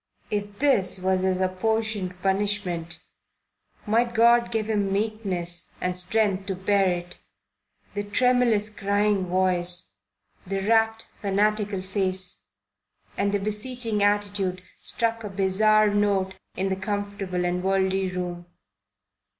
If this was his apportioned punishment, might God give him meekness and strength to bear it. The tremulous, crying voice, the rapt, fanatical face, and the beseeching attitude struck a bizarre note in the comfortable and worldly room.